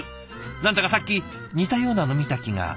何だかさっき似たようなの見た気が。